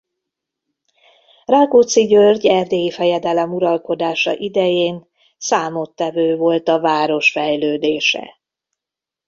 Rákóczi György erdélyi fejedelem uralkodása idején számottevő volt a város fejlődése.